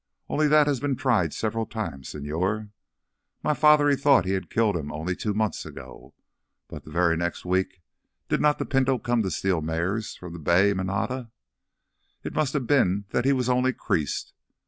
Only that has also been tried several times, señor. My father, he thought he had killed him only two months ago. But the very next week did not the pinto come to steal mares from the bay manada? It must have been that he was only creased.